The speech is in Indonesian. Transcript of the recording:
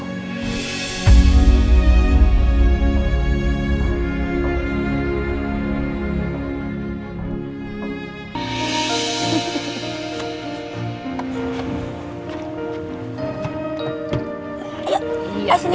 lihat video selanjutnya